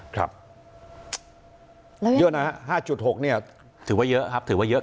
ครับเยอะนะฮะ๕๖เนี่ยถือว่าเยอะครับถือว่าเยอะ